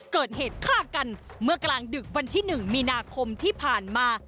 เกิดเหตุฆ่ากันเมื่อกลางดึกวันที่๑มีนาคมที่ผ่านมา